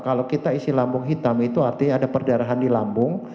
kalau kita isi lambung hitam itu artinya ada perdarahan di lambung